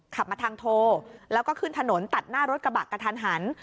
ขับมาทางโทแล้วก็ขึ้นถนนตัดหน้ารถกระบะกระทันหัน